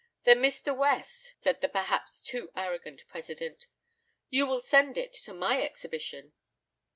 "Then, Mr. West," said the perhaps too arrogant president, "you will send it to my exhibition?"